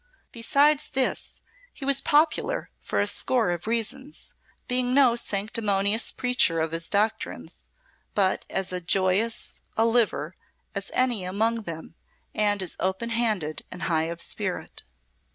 Besides this, he was popular for a score of reasons, being no sanctimonious preacher of his doctrines, but as joyous a liver as any among them and as open handed and high of spirit.